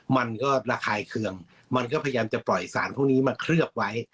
มันก็ระคายเคืองมันก็พยายามจะปล่อยสารพวกนี้มาเคลือบไว้